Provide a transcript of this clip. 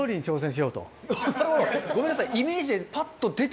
ごめんなさい。